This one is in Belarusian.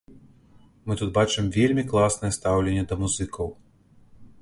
Мы тут бачым вельмі класнае стаўленне да музыкаў.